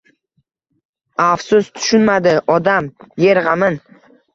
Afsus, tushunmadi odam Yer g’amin